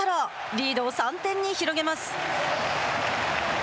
リードを３点に広げます。